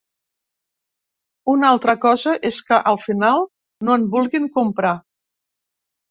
Una altra cosa és que al final no en vulguin comprar.